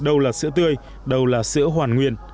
đâu là sữa tươi đâu là sữa hoàn nguyên